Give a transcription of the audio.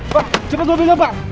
pak cepet ke mobilnya pak